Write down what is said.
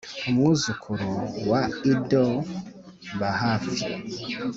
umwuzukuru wa Ido bahaf